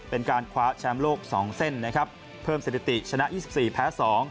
เป็นการคว้าแชมป์โลก๒เส้นนะครับเพิ่มสถิติชนะ๒๔แพ้๒